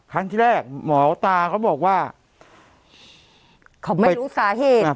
ครั้งแรกหมอตาเขาบอกว่าเขาไม่รู้สาเหตุ